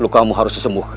kamu harus disembuhkan